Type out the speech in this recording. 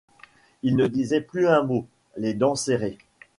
Ils ne disaient plus un mot, les dents serrées.